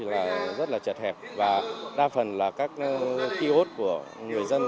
là rất là chật hẹp và đa phần là các ký hốt của người dân